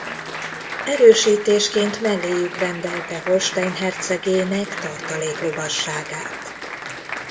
Erősítésként melléjük rendelte Holstein hercegének tartalék lovasságát.